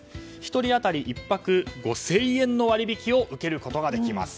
１人当たり１泊５０００円の割引を受けることができます。